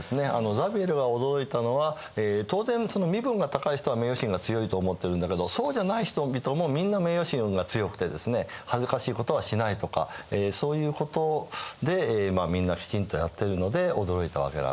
ザビエルが驚いたのは当然身分が高い人は名誉心が強いと思ってるんだけどそうじゃない人々もみんな名誉心が強くてですね恥ずかしいことはしないとかそういうことでみんなきちんとやってるので驚いたわけなんですね。